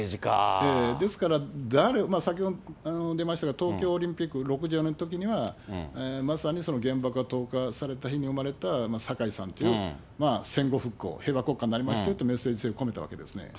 ですから、誰、先ほども出ましたが、東京オリンピック、６４年のときには、まさに原爆が投下された日に生まれた坂井さんという戦後復興、平和国家になりましたよというメッセージ性を込めたわけですね。